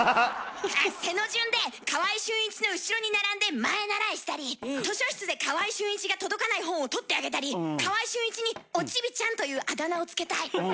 背の順で川合俊一の後ろに並んで前へならえしたり図書室で川合俊一が届かない本を取ってあげたり川合俊一に「おチビちゃん」というあだ名を付けたい。